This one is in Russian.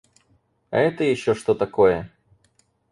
А это еще что такое?